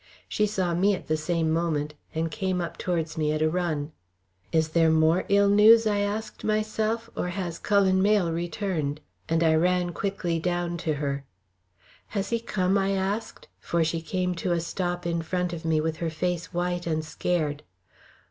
She saw me at the same moment, and came up towards me at a run. "Is there more ill news?" I asked myself. "Or has Cullen Mayle returned?" and I ran quickly down to her. "Has he come?" I asked, for she came to a stop in front of me with her face white and scared.